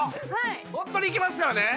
ホントにいきますからね